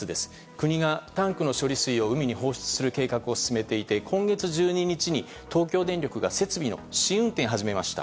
国がタンクの処理水を海に放出する計画を進めていて今月１２日に東京電力が設備の試運転を始めました。